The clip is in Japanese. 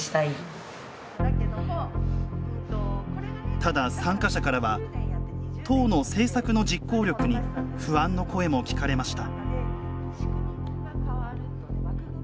ただ、参加者からは党の政策の実行力に不安の声も聞かれました。